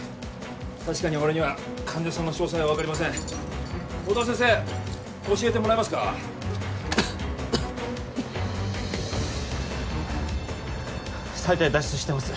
確かに俺には患者さんの詳細は分かりません音羽先生教えてもらえますか臍帯脱出してます